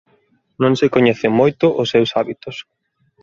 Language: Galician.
Non se coñecen moito os seus hábitos.